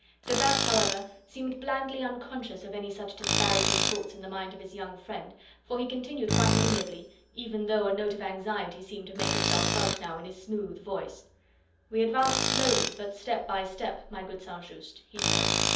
De Batz, however, seemed blandly unconscious of any such disparaging thoughts in the mind of his young friend, for he continued quite amiably, even though a note of anxiety seemed to make itself felt now in his smooth voice: "We advance slowly, but step by step, my good St. Just," he said.